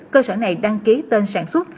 cơ sở này đăng ký tên sản xuất